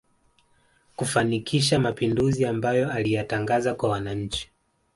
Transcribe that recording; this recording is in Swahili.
Kufanikisha mapinduzi amabayo aliyatangaza kwa wananchi